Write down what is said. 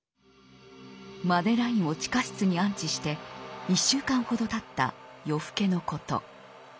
マデラインを地下室に安置して１週間ほどたった夜更けのこと。